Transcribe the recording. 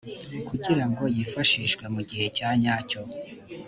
kugira ngo yifashishwe mu gihe cyanyacyo